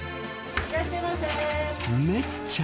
いらっしゃいませー。